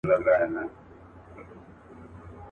له کلونو ناپوهی یې زړه اره سو.